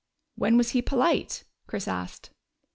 " When was he polite ?" Chris asked.